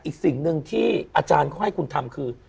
อีกสิ่งหนึ่งที่อาจารย์เขาให้คุณทำคือ